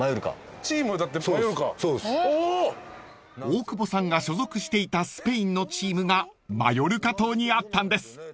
［大久保さんが所属していたスペインのチームがマヨルカ島にあったんです］